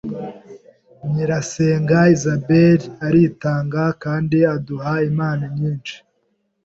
Nyirasenge Isabel aritanga kandi aduha impano nyinshi.